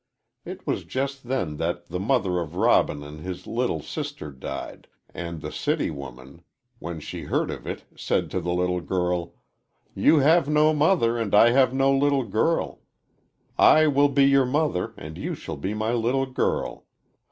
It was just then that the mother of Robin and his little sister died, and the city woman, when she heard of it, said to the little girl: 'You have no mother and I have no little girl. I will be your mother and you shall be my little girl.